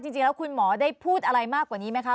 จริงแล้วคุณหมอได้พูดอะไรมากกว่านี้ไหมคะ